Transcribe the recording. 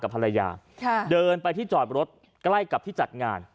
ภรรยาเดินไปที่จอดรถใกล้กับที่จัดงาน